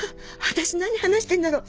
私何話してんだろ。